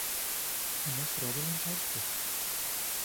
Imaš rada lončarstvo?